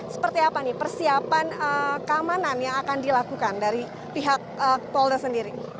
seperti apa nih persiapan keamanan yang akan dilakukan dari pihak polda sendiri